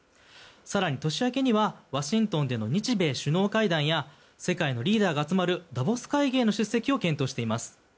更に、年明けにはワシントンでの日米首脳会談や世界のリーダーが集まるダボス会議への出席を検討しています。